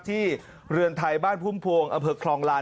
เรือนไทยบ้านพุ่มพวงอเภอคลองลาน